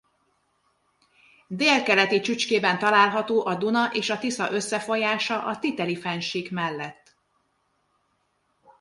Délkeleti csücskében található a Duna és a Tisza összefolyása a Titeli-fennsík mellett.